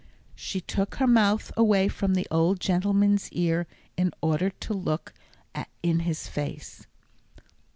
She took her mouth away from the old gentleman's ear in order to look in his face.